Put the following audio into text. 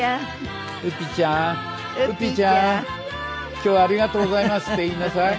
「今日はありがとうございます」って言いなさい。